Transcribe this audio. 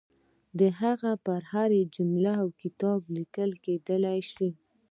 د هغه پر هره جمله کتابونه لیکل کېدلای شي.